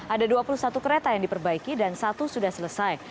ada dua puluh satu kereta yang diperbaiki dan satu sudah selesai